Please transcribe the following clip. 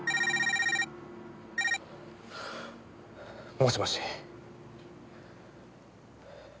もしもし。